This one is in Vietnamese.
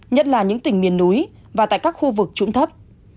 nhất là những tỉnh miền núi và tại các khu vực trũng thấp